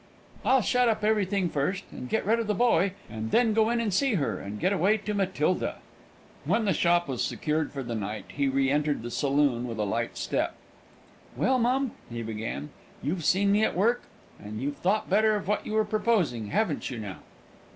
I'll shut up everything first and get rid of the boy, and then go in and see her, and get away to Matilda." When the shop was secured for the night, he re entered the saloon with a light step. "Well, mum," he began, "you've seen me at work, and you've thought better of what you were proposing, haven't you now?"